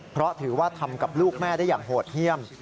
เพราะถือว่าทำกับลูกแม่ได้อย่างโหดเยี่ยม